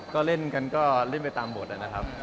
ก็เล่นไปตามบทล่ะนะครับ